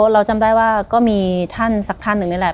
เราจำได้ว่าก็มีท่านสักท่านหนึ่งนี่แหละ